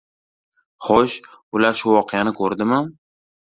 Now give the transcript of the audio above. — Xo‘sh, ular shu voqeani ko‘rdimi?